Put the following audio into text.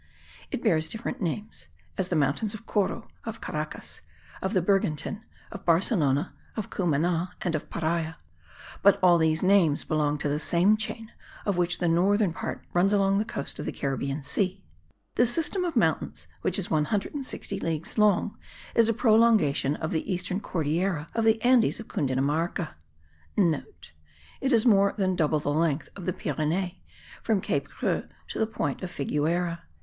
It bears different names, as the mountains of Coro, of Caracas, of the Bergantin, of Barcelona, of Cumana, and of Paria; but all these names belong to the same chain, of which the northern part runs along the coast of the Caribbean Sea. This system of mountains, which is 160 leagues long,* is a prolongation of the eastern Cordillera of the Andes of Cundinamarca. (* It is more than double the length of the Pyrenees, from Cape Creux to the point of Figuera.)